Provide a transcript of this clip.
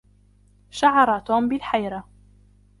شعر توم بالحيره.